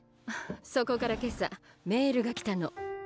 そこから今朝メールがきたの。